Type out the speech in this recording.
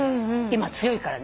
今強いから。